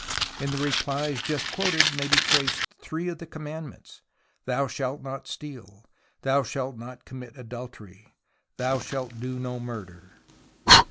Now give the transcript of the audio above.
In the rephes just quoted may be traced three commandments :" Thou shalt not steal. Thou shalt not commit adultery. Thou shalt do no murder."